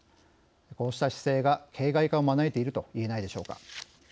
こうした姿勢が形骸化を招いているといえないでしょうか。